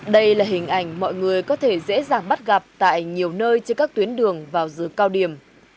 đây là hình ảnh mọi người có thể dễ dàng bắt gặp tại nhiều nơi trên các tuyến đường vào giữa cao điểm